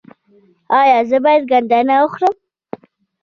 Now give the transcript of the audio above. ایا زه باید ګندنه وخورم؟